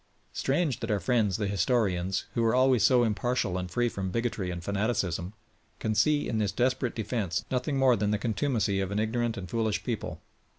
Strange that our friends the historians, who are always so impartial and free from bigotry and fanaticism, can see in this desperate defence nothing more than the contumacy of an ignorant and foolish people.